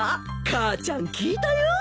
母ちゃん聞いたよ。